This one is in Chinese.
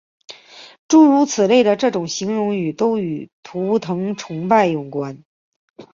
诸如此类的这些形容语都与图腾崇拜有关。